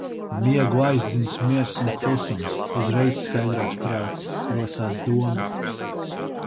Miegu aizdzinis miers un klusums. Uzreiz skaidrāks prāts, rosās domas.